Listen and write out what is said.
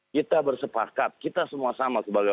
kita bersepakat kita semua sama sebagai